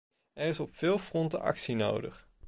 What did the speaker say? Er is op veel fronten actie nodig.